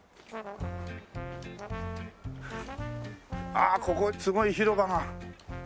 ああここすごい広場が。